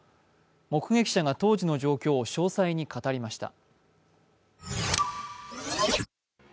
目撃者が当時の状況を詳細に語りました。